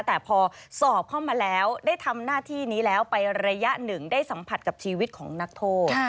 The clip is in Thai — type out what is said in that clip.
แต่พอสอบเข้ามาแล้วได้ทำหน้าที่นี้แล้วไประยะหนึ่งได้สัมผัสกับชีวิตของนักโทษ